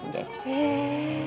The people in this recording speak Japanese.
へえ。